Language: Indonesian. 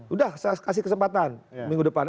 udah saya kasih kesempatan minggu depan